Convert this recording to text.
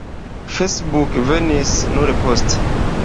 Facebook venis nur poste.